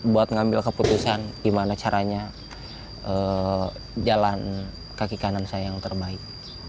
buat ngambil keputusan gimana caranya jalan kaki kanan saya yang terbaik